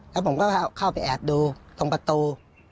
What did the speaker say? แล้วผมก็เข้าไปแอบดูตรงประตู